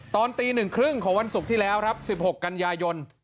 ตอนตี๑๓๐ของวันศุกร์ที่แล้วครับ๑๖กันยายน